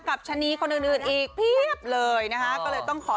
กับชะนีคนอื่นอื่นอีกเพียบเลยนะคะก็เลยต้องขอ